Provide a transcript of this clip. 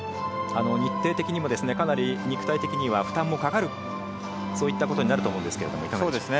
日程的にもかなり肉体的には負担もかかる、そういったことになると思います。